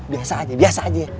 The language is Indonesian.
biasa aja biasa aja